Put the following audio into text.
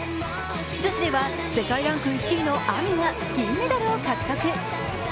女子では世界ランク１位のＡＭＩが銀メダルを獲得。